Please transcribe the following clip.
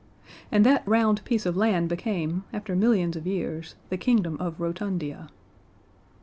And that round piece of land became, after millions of years, the Kingdom of Rotundia.